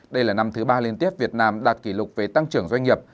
đây là năm thứ ba liên tiếp việt nam đạt kỷ lục về tăng trưởng doanh nghiệp